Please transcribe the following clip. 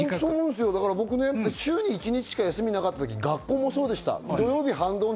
僕は週に一日しか休みがなかった時、学校もそうでした。